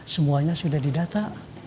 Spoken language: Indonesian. semuanya sudah didata